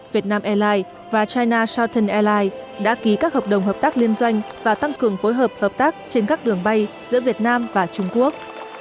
việt nam airlines và china southern airlines đã ký các hợp đồng hợp tác liên doanh và tăng cường phối hợp hợp tác trên các đường bay giữa việt nam và trung quốc